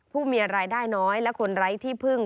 ผู้มีรายได้น้อยและคนไร้ที่พึ่ง